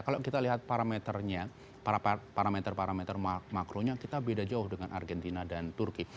kalau kita lihat parameternya parameter parameter makronya kita beda jauh dengan argentina dan turki